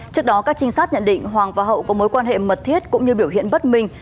trước đó các trinh sát nhận định hoàng và hậu có mối quan hệ mật thiết cũng như biểu hiện bất minh